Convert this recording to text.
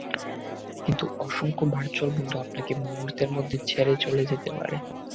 কিন্তু অসংখ্য ভারচুয়াল বন্ধু আপনাকে মুহূর্তের মধ্যে ছেড়ে চলে যেতে পারে।